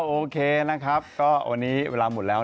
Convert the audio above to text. โอเคนะครับก็วันนี้เวลาหมดแล้ว